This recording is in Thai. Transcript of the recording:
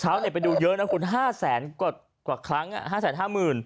ชาวเน็ตไปดูเยอะนะคุณห้าแสนกว่าครั้งห้าแสนห้าหมื่น